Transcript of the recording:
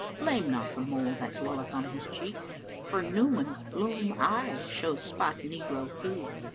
Blame not the mole that dwelleth on his cheek * For Nu'uman's bloom aye shows spot negro hued."